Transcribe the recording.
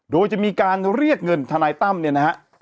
โดยจะมีการเรียกเงินทนายตั้มเนี่ยนะฮะ